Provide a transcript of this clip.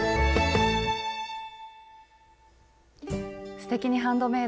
「すてきにハンドメイド」